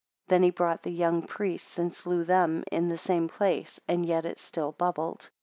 Then he brought the young priests and slew them in the same place, and yet it still bubbled.